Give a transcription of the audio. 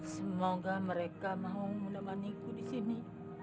semoga mereka mau menemaniku di sini